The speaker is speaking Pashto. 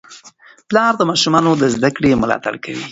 پلار د ماشومانو د زده کړې ملاتړ کوي.